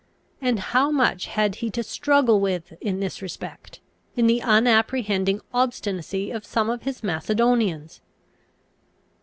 And how much had he to struggle with in this respect, in the unapprehending obstinacy of some of his Macedonians?"